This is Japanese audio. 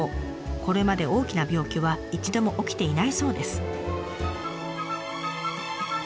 これまで大きな病気は一度も起きていないそうです。